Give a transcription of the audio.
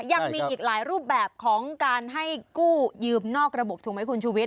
ยังมีอีกหลายรูปแบบของการให้กู้ยืมนอกระบบถูกไหมคุณชูวิท